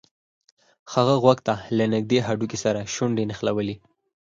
هغه غوږ ته له نږدې هډوکي سره شونډې نښلولې